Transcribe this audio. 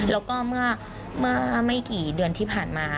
แล้วก็เมื่อไม่กี่เดือนที่ผ่านมา